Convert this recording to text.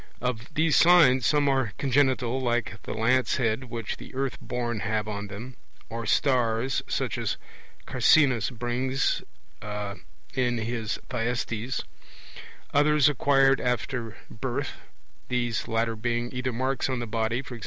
Of these signs some are congenital, like the 'lance head which the Earth born have on them', or 'stars', such as Carcinus brings in in his Thyestes; others acquired after birth these latter being either marks on the body, e.g.